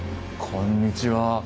こんにちは。